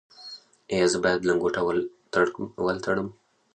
ایا زه باید لنګوټه ول تړم؟